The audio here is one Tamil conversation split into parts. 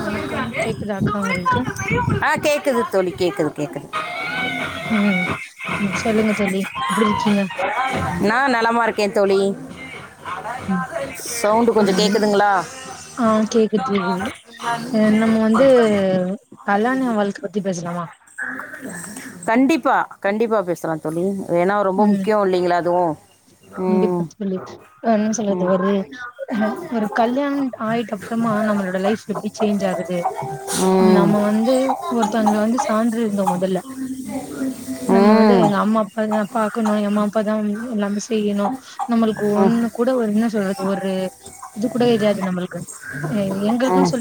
வணக்கம் கேக்குதா அக்கா உங்களுக்கு ஆ கேக்குது தோழி கேக்குது கேக்குது ம் சொல்லுங்க தோழி எப்டி இருக்கீங்க நா நலமா இருக்கே தோழி ம் சௌண்டு கொஞ்சொ கேக்குதுங்ளா ஆ கேக் [inaudible] ஆ நம்ம வந்து கல்யாண வாழ்க்கப் பத்தி பேசலாமா கண்டிப்பா கண்டிப்பா பேசலா தோழி ஏனா ரொம்ப ம் முக்கியொ இல்லைங்ளா அதுவு ம் [unintelligible] ஆ என்ன சொல்றது ம் ஒரு அ ஒரு கல்யாணன் ஆய்ட்ட ப்றமா நம்மளோட லைஃப் எப்டி சேஞ்ச் ஆகுது நம்ம ம் வந்து ஒருத்தங்கள வந்து சான்று இருந்தோ மொதல்ல நம்ம வந்து எங்க ம் அம்மா அப்பாதா பாக்கணு எ அம்மா அப்பா தா எல்லாமே செய்யணு நம்மளுக்கு ம், ஒண்ணு கூட ஒரு என்ன சொல்றது ஒரு இது கூட எரியாது நம்ளுக்கு ம்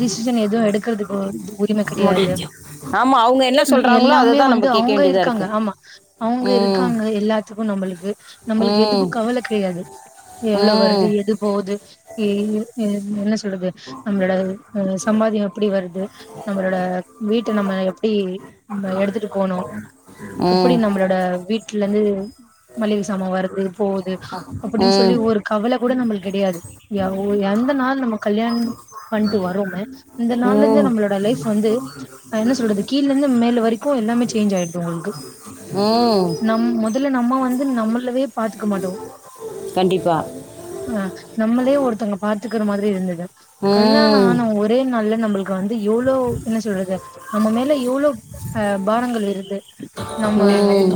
டிசிஷன் எதுவு எடுக்கறதுக்கு உரிம கெடையாது முடிஞ்சு ஆமா அவ்ங்க என்னா சொல்றாங்களோ அதுதா நம்ப கேக்க வேண்டியதா காங்க ஆமா அவ்ங்க இருக்காங்க எல்லாத்துக்கு நம்பளுக்கு நம்பளுக்கு ம் எதுக்கு கவல கடையாது எவ்ளோ ம் வருது எது போவுது ஏ என்ன சொல்றது நம்பளோட அ சம்பாதியொ எப்டி வருது நம்மளோட வீட்ட நம்ம எப்டி எடுத்துட்டு போனு எப்டி ம் நம்மளோட வீட்டுலந்து மளிக சாமா வருது போவுது அப்டின் சொல்லி ம் ஒரு கவல கூட நம்ளுக் கடையாது எ உ எந்த நாள் நம்ம கல்யாண் பண்ட்டு வரோமே இந்த நாள்லேந்தே ம் நம்மளோட லைஃப் வந்து ஆ என்ன சொல்றது கீழேந்து மேல வரைக்கு எல்லாமே சேஞ் ஆய்டு ம் நம் மொதல்ல நம்ம வந்து நம்மளவே பாத்துக்க மாட்டோ கண்டிப்பாக அ நம்மளே ஒருத்தங்க பாத்துக்குற மாதிரி இருந்துது கல்யாணொ ம் ஆன ஒ ரே நாள்ல நம்பளுக்கு வந்து எவ்ளோ என்ன சொல்றது நம்ம மேல எவ்ளோ அ பாரங்கள் ஏறுது ம்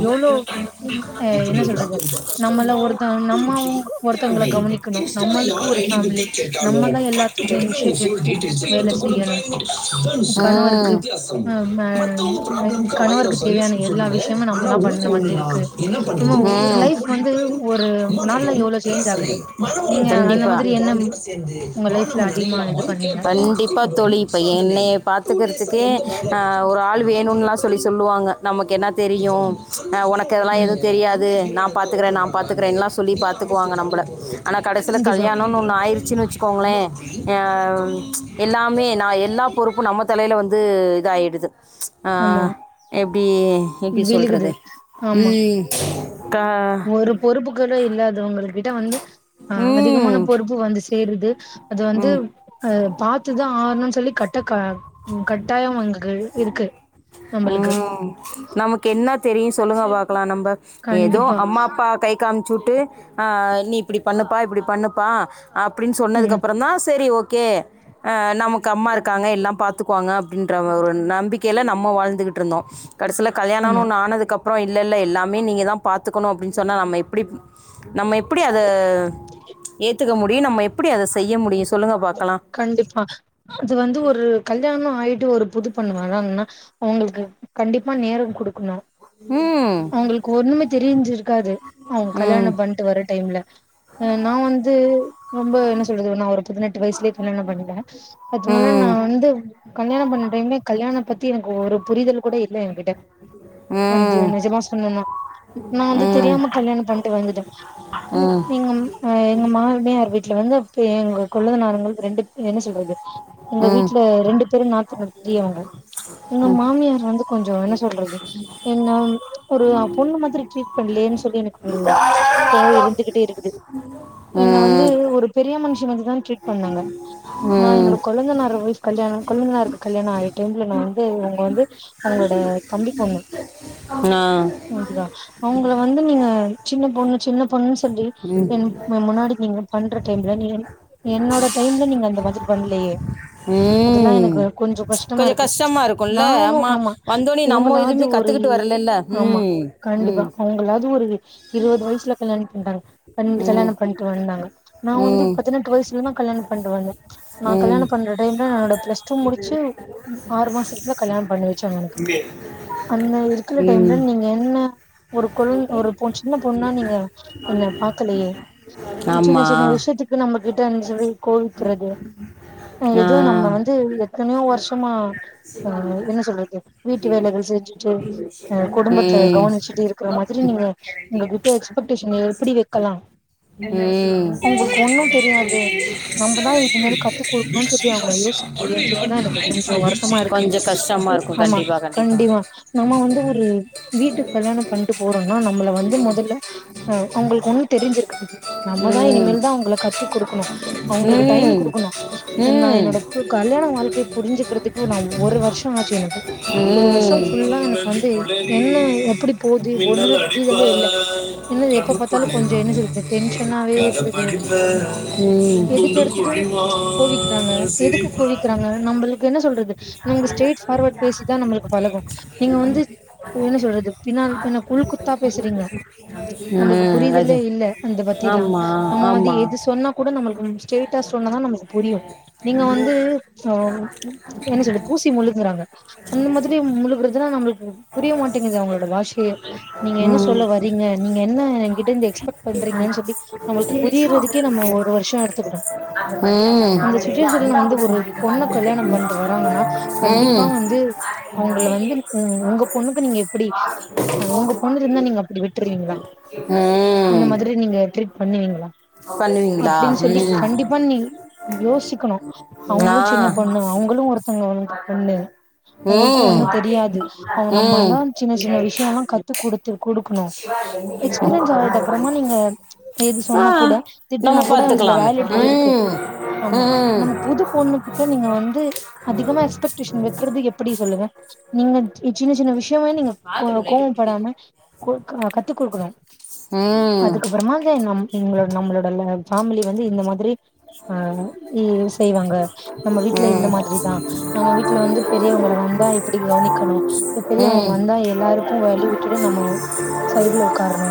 அ என்ன சொல்றது நம்மள ஒருத்த நம்ம ஒருத்தங்கள திறமை கவனிக்கணு இன்ஸ்டால நம்மளுக்கு யாரு ஒரு ஐடி ஃபேமிலி பத்தி கேட்டாலும் நம்மதா பட்டு எல்லாத்துக்கு பட்டுன்னு உங்க இனிஷியேட் போன் எடுத்து டீட்டெயில்ஸ வேல எடுத்து செய்யணு குடுப்பேன் கணவருக்கு அ ம கணவருக்கு ஆ ஆ தேவையான எல்லா விஷயமு நம்மல்லா பண்ண மாதிரி இருக்கு நம்ம ஒரு லைஃப் வந்து ஒரு நாள்ல எவ்ளோ சேஞ்ச் ஆகுது நீங்க அந்த கண்டிப்பா மாதிரி என்ன உங்க லைஃப்ல அதிகமா இது பண்ணீங்க கண்டிப்பா தோழி ப்ப என்னைய பாத்துக்குறதுக்கே ஆ ஒரு ஆள் வேணுன்லா சொல்லி சொல்லுவாங்க நமக்கு என்னா தெரியு அ ஒனக்கு அதெல்லா ம் எதுவு தெரியாது நா பாத்துக்குற நா பாத்துக்றேன்லா சொல்லி பாத்துக்குவாங்க நம்பள ஆனா கடசீல கண்டிப்பா கல்யாணோன் ஒன்னு ஆயிருச்சின்னு வச்சு. கோங்ளே ஆ எல்லாமே நா எல்லா பொறுப்பு நம்ம தலைல வந்து இதாய்டு து ஆ ஆமா பீ எப்டி விழுகுது சொல்றது ஆமா ம் கா ஒரு பொறுப்புக்களே இல்லாதவங்கள் கிட்ட வந்து அ அதிகமான ம் பொறுப்பு வந்து சேருது அது வந்து ம் அ பாத்துதா ஆவணுன் சொல்லி கட்டக்கா ம் கட்டாயொ [unintelligible] இருக்கு நம்பளுக்கு ம் நமக்கு என்னா தெரியு சொல்லுங்க பாக்கலா நம்ப ஏதோ கண்டிப்பா அம்மா அப்பா கை காம்ச்சு உட்டு ஆ நீ இப்டி பண்ணுப்பா இப்டி பண்ணுப்பா அப்டின் ம் சொன்னதுக்கப்பறந்தா சேரி ஓகே ஆ நமக்கு அம்மா இருக்காங்க எல்லாம் பாத் துக்குவாங்க அப்டின்ற ஒரு நம்பிக்கைல நம்ம வாழ்ந்துகுட்ருந்தோ கடசீல கல்யாணோனு ஆமா ஒன்னு ஆனதுக்கப் அப்றோ இல்லல்ல எல்லாமே நீங்க தா பாத்துக்கணும் அப்டின் சொன்னா நம்ம எப்பிடி நம்ம எப்படி அத ஏத்துக்க முடியும் நம்ம எப்படி அத செய்ய முடியும் சொல்லுங்க பாக்கலா கண்டிப்பா அது வந்து ஒரு கல்யாண்லா ஆயிட்டு ஒரு புது பொண்ணு வராங்ன்னா அவங்கள்க்கு கண்டிப்பா நேரம் குடுக்கனு ம் அவங்களுக்கு ஒண்ணுமே தெரிஞ்சிருக்காது அவங்க ம் கல்யாணம் பண்ட்டு வர்ற டைம்ல ஏன்னா வந்து ரொம்ப என்ன சொல்றது நா ஒரு பதினெட்டு வய்சுலே கல்யாணம் பண்ணின அதனால நா ம் வந்து கல்யாணம் பண்ண டைமே கல்யாணம் பத்தி எனக்கு ஒரு புரிதல் கூட இல்ல என் கிட்ட ம் நா நெஜ் நெஜமா சொன்னேனா நா வந்து ம் தெரியாம கல்யாணம் பண்ட்டு வந்துட்ட ம் எங்கம்மா அ எங்க மாமியார் வீட்ல வந்து அப்ப எங்க கொல்லை நார்ங்கள் ரெண்டு என்ன சொல்றது எங்க ம் வீட்ல ரெண்டு பேரும் நாத்தனார் பெரியவ்ங்க எங்க மாமியார் வந்து கொஞ்சோ என்ன சொல்றது என்ன ஒரு பொண்ணு மாதிரி ட்ரீட் பண்லயேன் சொல்லி எனக் கு கோவோ இருந்துகிட்டே இருக்குது என்ன வந்து ம் ஒரு பெரிய மன்ஷங்க அப்டி தான ட்ரீட் பண் வாங்க நா ம் என்னோட கொழந்தனார் ஒய்ஃப் கல்யாணம் கொழந்தனாருக்கு கல்யாணம் ஆக டைம்ல நா வந்து இவங்க வந்து அவங்ளோட தம்பி பொண்ணு ஆ கேக்குதா அவங்கள வந்து நீங்க சின்ன பொண்ணு சின்ன பொண்ணு சொல்லி என் முன்னாடி நீங்க பண்ற டைம்ல நீங்க வந்து என்னோட டைம்ல நீங்க அந்த மாதிரி பண்லயே அதெல்லாம் ம் எனக்கு கொஞ்சம் கஷ்டமா கொஞ்சம் இருக்கு கஷ்டமா இருக்கும்ல நானு ஆமா வந்தோடனே நம்ம இவங்களாவ்து எதுவுமே ஒரு கத்துக்கிட்டு வரலல்ல ஆமா ம் கண்டிப்பா ம் அவங்களாவ்து ஒரு இருவது வயசுல கல்யாணம் பண்ட்டாங்க பண்ட் ம் கல்யாணம் பண்ட்டு வந்தாங்க நா வந்து ம் பதினெட்டு வயசுலல்லா கல்யாண பண்ட்டு வந்த நா ம் கல்யாணம் பண்ற டைம்ல என்னோட பிளஸ் டூ முடிச்சு ஆறு மாசத்ல கல்யாணம் பண்ணி வச்சங்க எனக்கு அந்த இருக்கிற டைம்ல ம் நீங்க என்ன ஒரு கொழ ஒரு பொ சின்ன பொண்ணா நீங்க என்ன பாக்கலையே சின்ன ஆமா சின்ன விஷயத்துக் க்லா நம்ம கிட்டவந்து சொல்லி கோவிக்கிறது ஆ எதோ நம்ம வந்து எத்தனயோ வருஷமா அ என்ன சொல்றது வீட்டு வேலைகள் செஞ்சுட்டு அ குடும்பத்த ம் கவனிச்சுட்டு இருக்கிற மாதிரி நீங்க உங்ககிட்ட எக்ஸ்பெக்டேஷன் எப்படி வெக்கலா ம் அவுங்குளுக்கு ஒண்ணும் தெரியாது நம்ப தா இது மாரி கத்து குடுக்கணும் சொல்லி அவங்க யோசிக்கலயேன் சொல்லிதா எனக்கு கொஞ்சோ வருத்தமா இருக்கு கொஞ்சம் கஷ்டமா இருக்கும் ஆமா கண்டிப்பா கண்டிப்பா நம்ம வந்து ஒரு வீட்டுக் கல்யாணம் பண்ட்டு போறோம்னா நம்மள வந்து மொதல்ல அ உங்களுக்கு ஒண்ணு தெரிஞ்சிருக்காது நம்ப தா ம் இனிமேல் தா அவுங்ளுக் கத்த குடுக்கணும் அவங்களுக்கு டைம் ம் குடுக்கணும் என்னா ம் என்னோட ஒரு கல்யாண வாழ்க்கை புரிஞ்சுக்கிறதுக்கு நா ஒரு வருஷம் ஆச்சு எனக்கு ஒரு வருஷம் ம் ஃபுல்லா எனக் வந்து நெஞ்சுக்குள்ளே நீ என்ன எப்படி போது மின்னல் ஒண்ணுமே அடிப்ப புரியவே இல்ல என்ன எப்ப பாத்தாலும் கண்ணுக்குள்ளே கொஞ்சம் என்ன நீ செய்றது டென்ஷனாவே கதை இருந்தது எதுக்கு எடுத்தது [inaudible] ம் ஆனா நம்புளுக் என்ன சொல்றது நமக்கு ஸ்ட்ரைட் ஃபார்வட் பேசி தா நம்ளுக்கு பழகம் நீங்க வந்து என்ன சொல்றது பின்னால என்ன உள் குத்தா பேசுறீங்க நம்பளுக்கு ம், புரிதலே அது இல்ல அந்த பத்தி எல்லா ஆமா நம்ம வந்து ஆமா எது சொன்னா கூட நம்மளுக் ம் ஸ்டெயிட்டா சொன்னாதா நமக்கு புரியு நீங்க வந்து அ என்ன சொல்லுது பூசி முழுங்குறாங்க அந்த மாதிரி முழுக்கறதுல்லா நம்முளுக்கு புரிய மாட்டேங்குது அவுங்களோட பாஷயே நீங்க என்ன ம் சொல்ல வரீங்க நீங்க என்ன என்கிட்ட இருந்து எக்ஸ்பெக்ட் பண்றீங்கன்னு நம்முளுக்கு நிச்சயமா புரியறதுக்கே ஒரு நல்ல ஒரு மாற்றம். வர்ஷோ எடுத்துக்குட்டோ ம் ஒரு பொண்ண கல்யாணம் பண்ணிட்டு வராங்கன்னா ம் என் நம்பிக்கையை ம் உங்க பொண்ணுக்கு நீங்க எப்புடி உங்க பொண்ணுல இருந்தா நீங்க அப்புடி விட்டுருவீங்களா ம் அந்த மாதிரி நீங்க திருப்பி பண்ணுவீங்களா பண்ணுவீங்களா அப்டீன்னு சொல்லி ம் கண்டிப்பா நீ யோசிக்கணோ அவுங்களு சின்ன ஆ பொண்ணு அவுங்களு ஒருத்தவுங்குளுக்கு பொண்ணு உங்களுக்கோ ஒண்ணோ ம் தெரியாது அவுங்க ம் நம்மந்தா சின்ன சின்ன விஷ்யோலா கத்து குடுத்து குடுக்கணு எக்ஸ்பீரியன்ஸ் ஆன அப்பறமா நீங்க நேத்து ஆ சொன்னா கூட நம்ம திட்டனா கூட அதுல பாத்துக்கலாமே வேலடிட் இருக்கு ம் ஆமா ம் நம்ம புது பொண்ணு கிட்ட நீங்க வந்து அதிகமா எக்ஸ்பெக்டேஷன் வெக்கறது எப்படி சொல்லுங்க நீங்க சின்ன சின்ன விஷ்யமே நீங்க கோபப்படாம குடுக்க கத்த குடுக்கணு ம் அதுக்கப்புறமா தா நம் ங்களோட நம்மளோட அல்ல ஃபேமிலி வந்து இந்த மாதிரி ஆ இ செய்வாங்க நம்ம வீட்ல இந்த ம் மாதிரிதா நம்ம வீட்ல வந்து பெரியவங்கல வந்தா இப்புடி கவனிக்கணோ பெரியவங்க ம் வந்தா எல்லாருக்கு வழி விட்டுட்டு நம்மோ சைடு்ல ஒக்காரணோ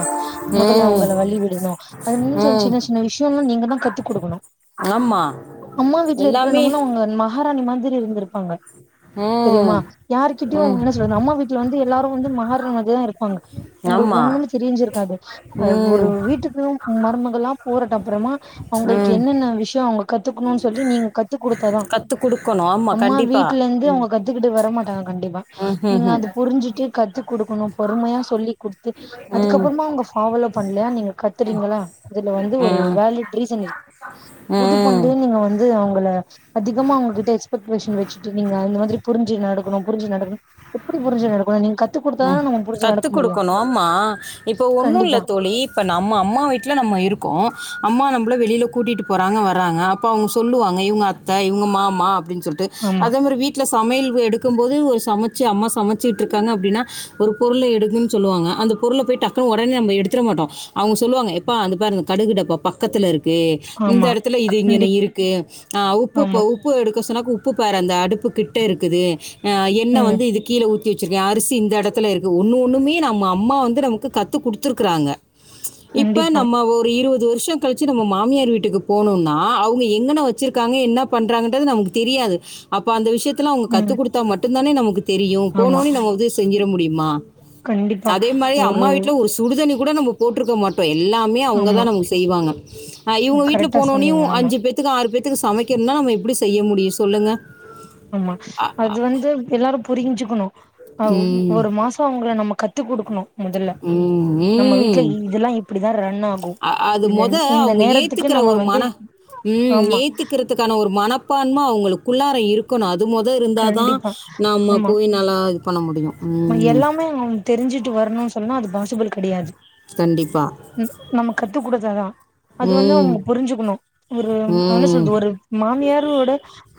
மொதல்ல ம் அவங்கள வளி விடணோ அது மாரி ம் சின்ன சின்ன விஷ்யோலா நீங்கதா த்து குடுக்கணோ ஆமா அம்மா வீட்ல எல்லாமே இருக்கனும்னோ அவுங்க மகாராணி மாதிரி இருந்த்ருப்பாங்க ம் தெரியுமா யாருகிட்டயு ம் என்ன சொல்றது அம்மா வீட்ல வந்து எல்லாரு வந்து மகாராணி மாதிரிதா இருப்பாங்க உங்குளுக்கு ஆமா ஒன்னும் தெரிஞ்சிருக்காது அ ஒரு ம் வீட்டுக்கு மருமகளா போறட்டப்பறமா அவுங்குளுக்கு ம் என்னென்ன விஷ்யோ அவுங் கத்துக்கணோன்னு சொல்லி நீங்க கத்து குடுத்தாதா கத்து குடுக்கணோம் அம்மா வீட்ல இருந்து அவுங்க கத்துக்கிட்டு வர மாட்டாங்க கண்டிப்பா ம், நீங்க ம், அது புரிஞ்சி ட்டு கத்து குடுக்கணும் பொறுமையா சொல்லி் குடுத்து ம். அதுக்கப்புறமா அவுங்க ஃபாவலோ பண்ணலயா நீங்க கத்துறீங்களா அதுல வந்து ஒரு ம் வேலிட் ரீசன் இருக்கு ம் புது ம் பொண்ணுனு நீங்க வந்து அவுங்கல அதிகமா அவங்க கிட்ட பிரிப்ரேஷன் வெச்சுட்டு நீங்க அந்த மாதிரி புரிஞ்சி நடக்கணோ புரிஞ்சி நடக்கணோ எப்புடி புரிஞ்சி நடக்கணோனு நீங்க கத் ம் கத்து குடுக்கணோ ஆமா இப்ப ஒண்ணோ இல்ல கண்டிப்பா தோ ழி இப்ப நம்ம அம்மா வீட்ல நம்ம இருக்கோ அம்மா நம்மள வெளில கூட்டிட்டு போறாங்க வர்றாங்க அப் போ அவுங்க சொல்லுவாங்க இவுங்க அத்த இவுங்க மாமா அப்டீன்னு சொல்ட்டு ஆமா அதே மாரி வீட்ல சமையல் எடுக்கும் போது ஒரு சமைச்சு அம்மா சமைச்சுட்ருக்காங்க அப்டீன்னா ஒரு பொருள்ல எடுக்கணுன்னு சொல்லுவாங்க அந்த பொருள்ள போயிட்டு டக்குனு ஒடனே நம்ம எத்துட மாட்டோ அவுங்க சொல்லுவாங்க பா அது பாருங்க கடுகு டப்பா பக் கத்துல இருக்கு இந்த ஆமா எடத்துல இது இங்கன கண்டிப்பா இருக்கு அ ஆமா உப்புப்ப உப் பு எடுக்க சொன்னா உப்பு பாரு அந்த அடுப்பு கிட்ட இருக்குது அ எண்ண ம் வந்து இதுக் கீழே ஊத்தி வெச்சிருக்கே அரிசி இந்த எடத்துல இருக்கு ஒண்ணு ஒண்ணுமே நம்ம அம்மா வந்து நமக்கு கத்து குடுத்துருக்காங்க இப்ப கண்டிப்பா நம்ம ஒரு இருவது வர்ஷோ கழிச்சி நம்ம மாமியார் வீட்டுக்கு போனோம்னா அவுங்க எங்கன வெச்சிருக்காங்க என்ன பண்றாங்கன்றது நமக்கு தெரியாது அப்ப அந்த விஷ்யத்த அவுங்க ம் கத்து மட்டுந்தானே நமக்கு தெரியு ஆமா போனோன்னே நம்ம செஞ்சிட முடியுமா கண்டிப்பா அதே மாரி அம்மா வீட்டுல ஒரு சுடுதண்ணி கூட நம்ம போட்ருக்க மாட்டோ எல்லா மே அவுங்க தா ஆமா நமக்கு செய்வாங்க இவுங்க வீட்டுல கரெக்டா போனோனையு சொன்னீங்க ஆமா அஞ்சு பேர் த்துக்கு ஆறு பேத்துக்கு சமைக்கணுனா நம்ம எப்படி செய்ய முடியு சொல்லுங்க ஆமா அது வந்து எல்லாரு புரிஞ்சுக்கணு அஹ் ம் ஒரு மாசோ அவ்ங்கள நம்ம கத் த்து கொடுக்கணு முதல்ல ம், நம்ம வீட்டுல ம். இதெல்லா இப்டிதா ரன் ஆகு அ அது இந்த மொத இந்த அவங்க நேரத்து துக்கு ஏத்துக்கிற நம்ம ஒரு வந்து மன ம் ஆமா ஏத்துக்கிறதுக்கான ஒரு மனப்பான்ம அவங்களுக்குள்ளார இருக்கு அது மொத இருந்தாதா கண்டிப்பா நம்ம ஆமா போய் நல்லா இது பண்ண முடியு எல்லாமே அவ்ங்க தெரிஞ்சுட்டு வரணுனு சொன்னா அது பாசிபிள் கிடையாது கண்டிப்பா நம்ம கத்துக்குடுத்ததுதா அது வந்து ம். அவ்ங்க புரிஞ்சுக்கணு ஒரு என்ன ம். சொல்றது ஒரு மாமியாரோட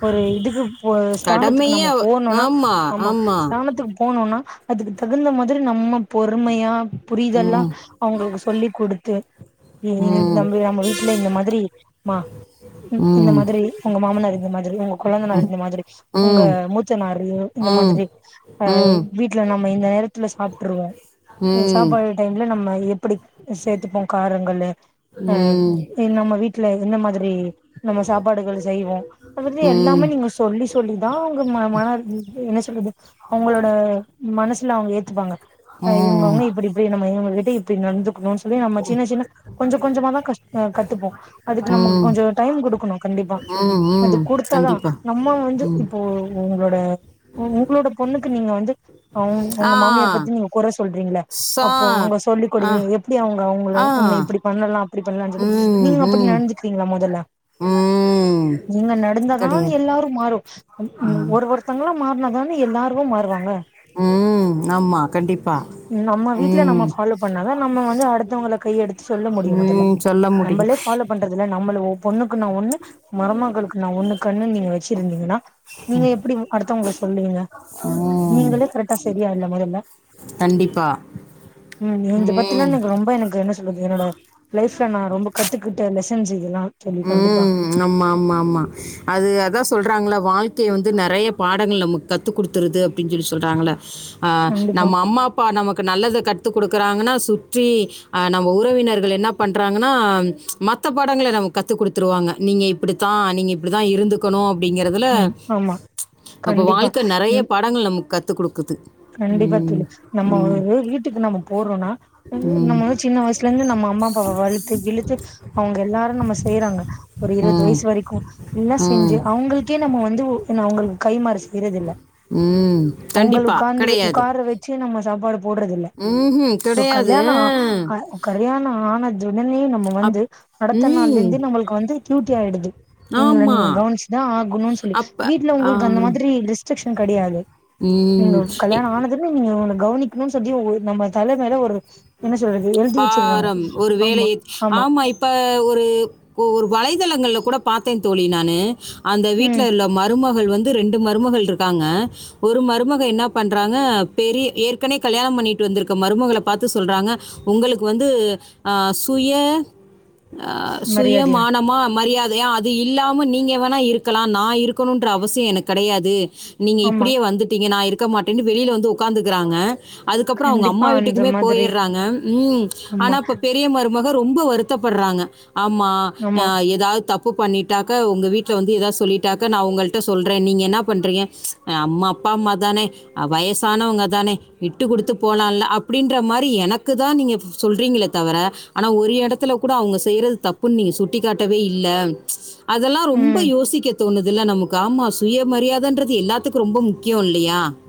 ஒரு இதுக்கு போ ஸ்தானத்துக்கு நம்ம போணுனா ஆமா ஸ்தானத்துக்கு போனோனா அதுக்கு தகுந்த மாதிரி நம்ம பொறுமையா புரிதெல்லா ம். அவுங்களுக்கு சொல்லி குடுத்து ம் நம்மல நம்ம வீட்டுல இந்த மாதிரி மா இந்த ம். மாதிரி உங்க மாமனார் இந்த மாதிரி உங்க கொழுந்தனார் இந்த மாதிரி உங்க ம். மூச்சனாரியு இந்த ம். மாதிரி ம். வீட்டுல நம்ம இந்த நேரத்துல சாப்ட்ருவோ ம். ம். சாப்பாடு டைம்ல நம்ம எப்டி சேத்துப்போ காரங்கள்ள அஹ் ம். நம்ம வீட்டுல என்ன மாதிரி நம்ம சாப்பாடுகள் செய்வோ எனக்கு தெரிஞ்சு எல்லாமே நீங்க சொல்லி சொல்லிதா அவுங்க ம மன என்ன சொல்றது அவங்களோட மனசுல அவங்க ஏத்துப்பாங்க் ம். இவங்கவங்க இப்டி இப்டி நம்ம இவங்க கிட்ட இப்டி நடந்துக்கணுனு சொல்லி நம்ம சின்ன சின்ன கொஞ்சோ கொஞ்சமா தா கஷ் கத்துப்போ அதுக்கு நமக்கு ம். கொஞ்சோ டைம் கொடுக்கணு கண்டிப்பா ம். அது ம். கொடுத்தாதா கண்டிப்பா. நம்ம வந்து இப்போ உங்களோட உங்களோட பொண்ணுக்கு நீங்க வந்து அவங்க உங்க ஆ மாமியார் பத்தி நீங்க கொற சொல்றீங்களா சா அப்போ அவங்க சொல்லி ஆ கொடுங்க அப்டி அவங்க அவங்கள ஆ உன்ன இப்படி பண்ணலா அப்படி பண்ணலானு சொல்லி ம் நீங்க அப்படி ம் நடந்துக்கிறீங்ளா முதல்ல ம் நீங்க நடந்தாதா கெடையாது எல்லாரு மாறு ஒரு ஒருத் மாறுனா தானே எல்லாருமே மாறுவாங்க ஆஹ் உம் ஆமா கண்டிப்பா நம்ம வீட்டுல நம்ம ம் ஃபாலோ பண்ணாதா நம்ம வந்து அடுத்தவங்கள கையெடுத்து சொல்ல முடியு முதல்ல ம் சொல்ல முடியும் நம்மளே ஃபாலோ பண்றதுல நம்மள பொண்ணுக்கு நா ஒண்ணு மருமகளுக்கு நா ஒண்ணு கண்ணு நீங்க வச்சிருந்தீங்கன்னா நீங்க எப்டி அடுத்தவங்கள சொல்லுவீங்க ம் நீங்களே கரெக்டா சரியா இல்ல மொதல்ல கண்டிப்பா உம் இத பத்திலா ம் நீங்க ரொம்ப எனக்கு சொல்றது என்னோட லைஃப்ல நா ரொம்ப கத்துக்கிட்ட லெசன்ஸ் இதெல்லா தோழி கண்டிப்பா ம் ஆமா ஆமா ஆமா அது அதா சொல்கறாங்கள வாழ்க்கைய வந்து நெறைய பாடங்கள் நமக்கு கத்து கொடுத்துருது அப்டின்னு சொல்லி சொல்றாங்கள அஹ் கண்டிப்பா நம்ம அம்மா இப்போ நமக்கு நல்லத கத்து கொடுக்குறாங்கன்னா சுற்றி ஆ நம்ம உறவினர்கள் என்ன பண்றாங்கன்னா மத்த பாடங்கள நமக் கத்து கொடுத்துருவாங்க நீங்க இப்டித்தா நீங்க இப்டி தா இருந்து கொணு அப்டிங்கெறதுல ம் ஆமா அப்ப கண்டிப்பா வாழ்க்க நறைய ம் படங்கள் நமக்கு கத்து குடுக்குது கண்டிப்பா ம். தோழி நம்ம ஒரு ம். வீட்டுக்கு நம்ம போறோன்னா நம்ம ம். வந்து சின்ன வய்சுலேந்து நம்ம அம்மா அப்பாவ வழ்த்து கிழுத்து அவுங்க எல்லாரு நம்ம செய்றாங்க ஒரு இருவது ம். வய்சு வரைக்கு எல்லா செஞ்சு ம். அவ்ங்குள்க் கே நம்ம வந்து உ நா அவுங்களுக்கு கைமாறி செய்றதுல்ல ம். அவுங்களு கண்டிப்பா. இந்துலு கிடையாது. உக்கார வெச்சு நம்ம சாப்பாடு போடுறதுல்ல ம்ஹ்ம். இப்ப கிடையாது. கல்யாண ஆ கல்யாணம் ஆனத்துடனே நம்ம வந்து அப் அடுத்த ம். நாள்லலேந்தே நம்மளுக்கு வந்து க்யூட்டி ஆய்டுது இபவ்ங்ள ஆமா. நீங்க கவ்னுச்சுதா ஆகுணுன் சொல்லி அப்ப வீட்ல ஆ உங்குள்க்கு அந்த மாதுரி ரிஸ்டக்க்ஷன் கடுயாது ம். நீங்கோ இ கல்யாண ஆனதுமே நீங்க அவ்ங்ள கவ்னிக்ணுன் சொல்லி நம்ம தல மேல ஒரு என்ன சொல்றது எழ்தி வச்சிறாங்க ஆமா ஆமா ப ஒரு ஒரு கு வளைதளங்கள்ல கூட பாத்தே தோழி நானு அந்த வீட்ல ம் இள்ள மருமகள் வந்து ரெண்டு மருமகள்ருக்காங்க ஒரு மருமக என்னா பண்றாங்க பெரிய ஏற்கனவே கல்யாணம் பண்ணிகிட்டு வந்துருக்க மருமகள பாத்து சொல்றாங்க உங்களுக்கு வந்து அ சுய அ சுய மரியாதையா மானமா மரியாதையா அத் து இல்லாம நீங்க வேணா இருக்கலா நா இருக்கணுன்ற அவசிய எனக் கடையாது நீங்க ஆமா இப்புடியே வந்துட்டீங்க நா இருக்க மாட்டேன்டு வெளியில வந்து உக்காந்துக்குறாங்க அதுக்கப்ற அவுங்க கண்டிப்பா அம்மா அந்த வீட்டுக்குமே மாதிரி போயிற்றாங்க ம் ஆமா ஆனா இப்ப பே பெரிய மருமக ரொம்ப வருத்தப் பற்றாங்க ஆம்மா ஆமா எதாவ்து தப் பு பண்ணிட்டாக்க ஒங்க வீட்ல வந்து எதாவ் சொல்லிட்டாக்க நா உங்கட்ட சொல்ற நீங்க என்னா பண்றீங்க அ அம் அப்பாம்மா தானே அ வயசானவுங்க தானே விட்டு குடுத்து போலால்ல அப்புடின்ற மாரி எனக் குதா நீங்க சொல்றீங்களே தவிர ஆனா ஒரு எடத்துல கூட அவுங்க செய்றது தப்புன் நீங்க சுட் டி காட்டவே இல்ல அதெல்லா ரொம்ப ம் யோசிக்க தோணுதுல்ல நமக்கு ஆமா சுய மரியாதன்றது எல்லாத்துக்கு ரொம்ப முக்கியோ இல்லயா